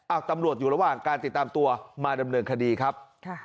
ตำรวจอยู่ระหว่างการติดตามตัวมาดำเนินคดีครับ